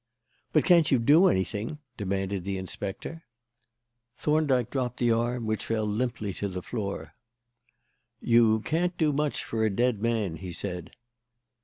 "But can't you do anything?" demanded the inspector. Thorndyke dropped the arm, which fell limply to the floor. "You can't do much for a dead man," he said.